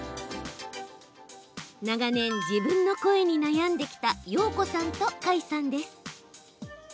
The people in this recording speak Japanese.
長年、自分の声に悩んできた曜子さんと花衣さんです。